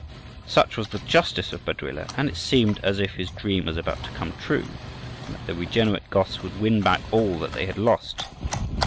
Such was the justice of Baduila; and it seemed as if his dream was about to come true, and that the regenerate Goths would win back all that they had lost.